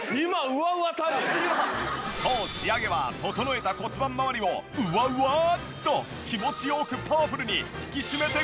そう仕上げは整えた骨盤まわりをうわうわっと気持ち良くパワフルに引き締めてくれる。